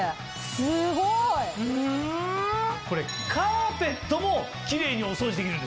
すごい！これカーペットもキレイにお掃除できるんです。